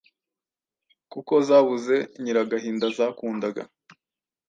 kuko zabuze Nyiragahinda zakundaga